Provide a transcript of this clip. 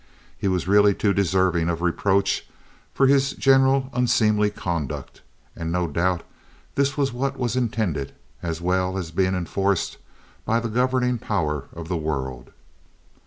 He was really too deserving of reproach for his general unseemly conduct, and no doubt this was what was intended, as well as being enforced, by the Governing Power of the world.